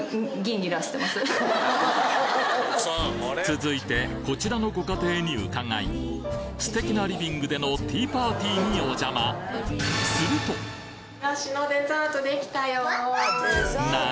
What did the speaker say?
続いてこちらのご家庭に伺い素敵なリビングでのティーパーティーにお邪魔何？